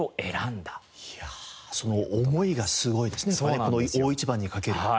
いやあその思いがすごいですねこの大一番に懸ける。